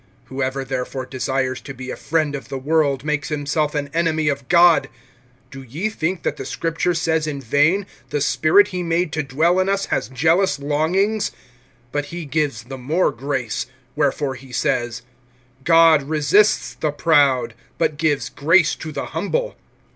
Whoever therefore desires to be a friend of the world makes himself an enemy of God. (5)Do ye think that the Scripture says in vain, the spirit he made to dwell in us has jealous longings? (6)But he gives the more grace. Wherefore he says: God resists the proud, But gives grace to the humble.